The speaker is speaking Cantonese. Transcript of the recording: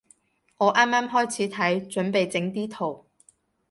我啱啱開始睇，準備整啲圖